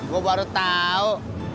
gua baru tau